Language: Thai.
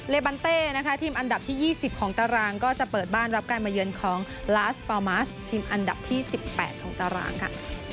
บันเต้นะคะทีมอันดับที่๒๐ของตารางก็จะเปิดบ้านรับการมาเยือนของลาสปามาสทีมอันดับที่๑๘ของตารางค่ะ